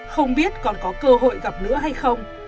không biết còn có cơ hội gặp nữa hay không